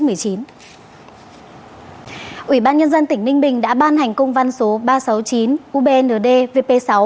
ủy ban nhân dân tỉnh ninh bình đã ban hành công văn số ba trăm sáu mươi chín ubnd vp sáu